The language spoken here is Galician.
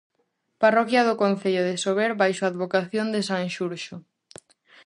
Parroquia do concello de Sober baixo a advocación de san Xurxo.